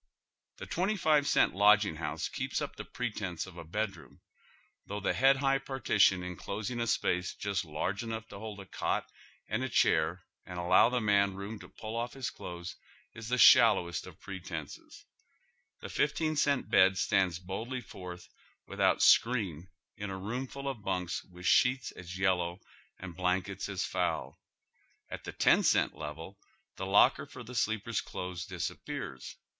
Tlie twenty five cent lodging house keeps up tiie pre tence of a bedroom, though the head high partition en closing a space just large enough to hold a cot and a chair and allow the man room to pull off liis clothes is the shal lowest of all pretences. The iifteen eent bed stands boldly forth without screen in a room full of bunks with sheets as yellow and blankets as foul. At the ten cent level the locker for the sleeper's clothes disappears.